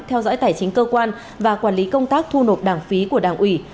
theo dõi tài chính cơ quan và quản lý công tác thu nộp đảng phí của đảng ủy